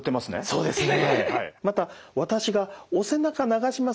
そうですね。